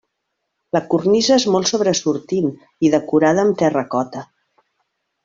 La cornisa és molt sobresortint i decorada amb terracota.